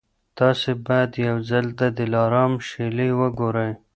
تاسي باید یو ځل د دلارام شېلې وګورئ.